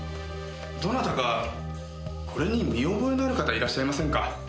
どなたかこれに見覚えのある方いらっしゃいませんか？